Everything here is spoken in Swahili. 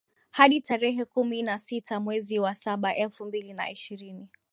hadi tarehe kumi na sita mwezi wa saba elfu mbili na ishirini